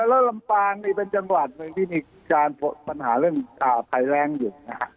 แล้วลำปางนี่เป็นจังหวัดที่มีปัญหาเรื่องภายแรงอยู่